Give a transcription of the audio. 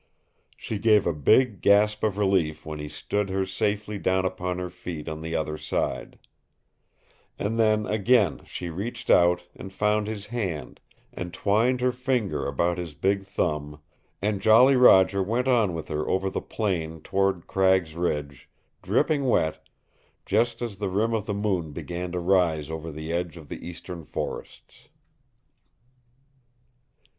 She gave a big gasp of relief when he stood her safely down upon her feet on the other side. And then again she reached out, and found his hand, and twined her fingers about his big thumb and Jolly Roger went on with her over the plain toward Cragg's Ridge, dripping wet, just as the rim of the moon began to rise over the edge of the eastern forests.